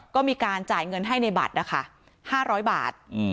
ก็มีการจ่ายเงินให้ในบัตรนะคะ๕๐๐บาท